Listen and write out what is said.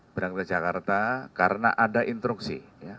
berangkat ke jakarta karena ada instruksi